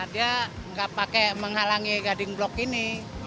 dia enggak pakai menghalangi guarding block ini